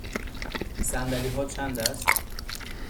صندلی ها چند است؟